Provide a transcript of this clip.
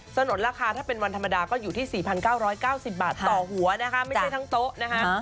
นุนราคาถ้าเป็นวันธรรมดาก็อยู่ที่๔๙๙๐บาทต่อหัวนะคะไม่ใช่ทั้งโต๊ะนะคะ